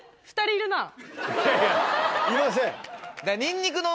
いません。